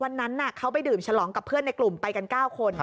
วันนั้นเขาไปดื่มฉลองกับเพื่อนในกลุ่มไปกัน๙คน